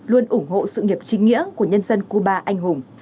luôn ủng hộ sự nghiệp chính nghĩa của nhân dân cuba anh hùng